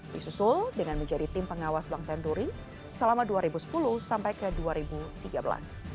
disusul dengan menjadi tim pengawas bank senturi selama dua ribu sepuluh sampai ke dua ribu tiga belas